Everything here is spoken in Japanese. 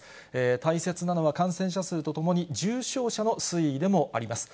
大切なのは、感染者数とともに、重症者の推移でもあります。